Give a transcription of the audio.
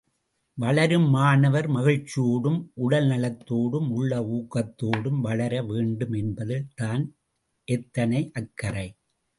வளரும் மாணவர், மகிழ்ச்சியோடும், உடல் நலத்தோடும், உள்ள ஊக்கத்தோடும் வளர வேண்டும் என்பதில் தான் எத்தனை அக்கறை!